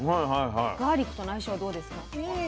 ガーリックとの相性はどうですか？